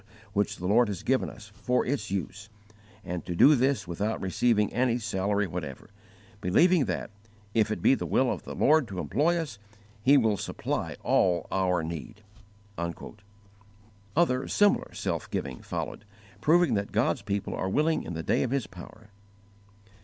which the Lord has given us, for its use; and to do this without receiving any salary whatever; believing that, if it be the will of the Lord to employ us, He will supply all our need." Other similar self giving followed, proving that God's people are willing in the day of His power.